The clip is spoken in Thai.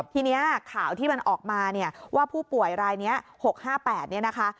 ทีนี้ข่าวที่มันออกมาว่าผู้ป่วยรายนี้๖๕๘นะคะ